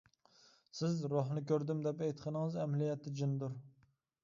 سىز روھنى كۆردۈم دەپ ئېيتقىنىڭىز ئەمەلىيەتتە جىندۇر.